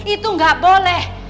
itu gak boleh